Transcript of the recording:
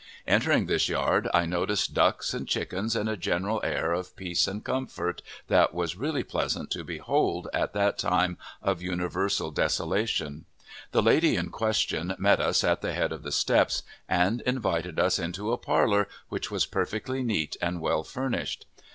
Entering this yard, I noticed ducks and chickens, and a general air of peace and comfort that was really pleasant to behold at that time of universal desolation; the lady in question met us at the head of the steps and invited us into a parlor which was perfectly neat and well furnished.